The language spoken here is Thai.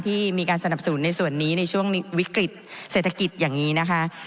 ที่มีการสนับสนุนในส่วนนี้ในช่วงวิกฤตเศรษฐกิจอย่างนี้นะคะ